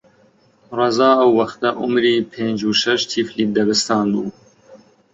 ڕەزا ئەو وەختە عومری پێنج و شەش تیفلی دەبستان بوو